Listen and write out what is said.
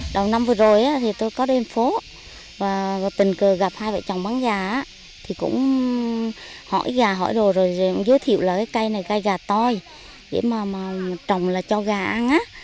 đầu năm vừa rồi thì tôi có đến phố và tình cờ gặp hai vợ chồng bán gà thì cũng hỏi gà hỏi đồ rồi giới thiệu là cái cây này cây gà toi để mà trồng là cho gà ăn á